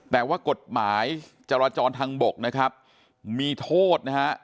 แต่ว่ากฎหมายจราจรทางบกนะครับมีโทษนะฮะ